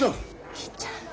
銀ちゃん。